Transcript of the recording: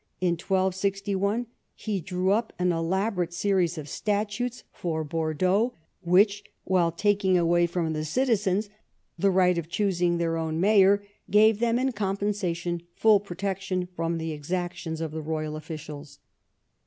In 1261 he drcAV up an elaborate series of statutes foi' Bordeaux Avhich, while taking uAvay from the citizens I EARLY YEARS 25 the right of choosing their own mayor, gave them in compensation full protection from the exactions of the royal officials.